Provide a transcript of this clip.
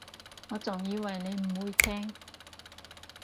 我仲以為你唔會聽